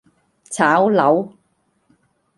炒樓